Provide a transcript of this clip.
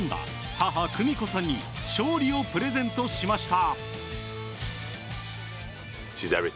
母・久美子さんに勝利をプレゼントしました。